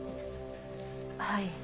はい。